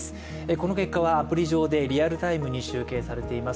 この結果はアプリ上でリアルタイムに集計しています。